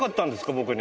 僕に。